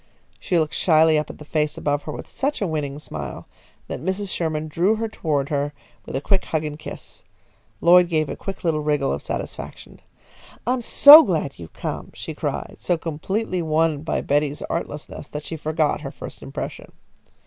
She looked shyly up at the face above her with such a winning smile that Mrs. Sherman drew her toward her with a quick hug and kiss. Lloyd gave a little wriggle of satisfaction. "I'm so glad you've come!" she cried, so completely won by Betty's artlessness that she forgot her first impression.